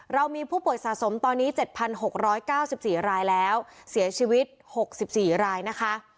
เรามีผู้ป่วยสะสมตอนนี้๗๖๙๔รายแล้วเสียชีวิต๖๔รายนะคะ